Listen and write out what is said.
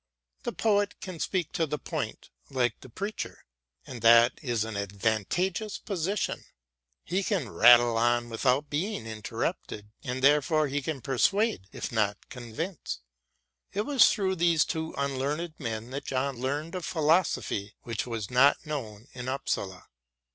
The poet can speak to the point like the preacher, and that is an advantageous position. He can rattle on without being interrupted, and therefore he can persuade if not convince. It was through these two unlearned men that John learned a philosophy which was not known at Upsala.